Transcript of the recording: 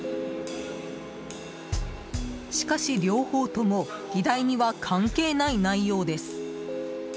しかし、両方とも議題には関係ない内容です。